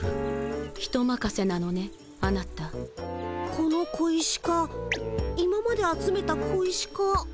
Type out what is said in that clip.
この小石か今まで集めた小石か。